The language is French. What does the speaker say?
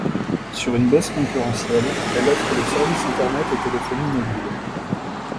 Sur une base concurrentielle, elle offre les services Internet et téléphonie mobile.